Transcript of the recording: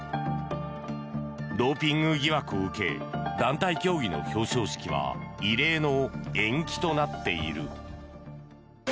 ドーピング疑惑を受け団体競技の表彰式は異例の延期となっている。